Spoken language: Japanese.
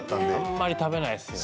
あまり食べないですね